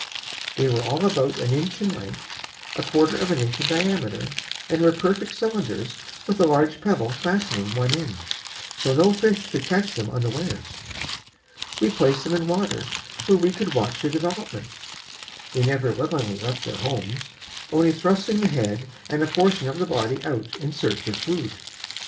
They were all about an inch in length, a quarter of an inch in diameter and were perfect cylinders with a large pebble fastening one end; so no fish could catch them unawares. We placed them in water, where we could watch their development. They never willingly left their homes, only thrusting the head and a portion of the body out in search of food.